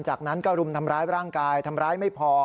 จากนั้นก็รุมทำร้ายร่างกายทำร้ายไม่พอ